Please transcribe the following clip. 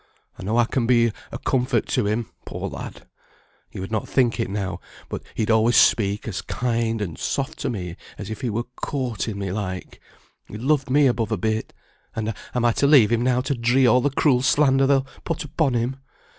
I know I can be a comfort to him, poor lad. You would not think it, now, but he'd alway speak as kind and soft to me as if he were courting me, like. He loved me above a bit; and am I to leave him now to dree all the cruel slander they'll put upon him?